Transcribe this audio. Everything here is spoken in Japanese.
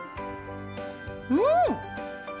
うん！